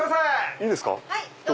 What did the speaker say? いいですか１人。